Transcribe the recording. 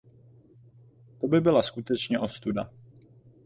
To by byla skutečně ostuda.